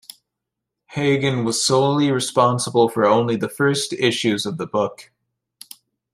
Hegen was solely responsible for only the first issues of the book.